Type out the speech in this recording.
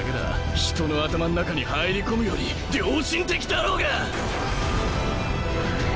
人の頭ん中に入り込むより良心的だろうが！